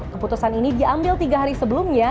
keputusan ini diambil tiga hari sebelumnya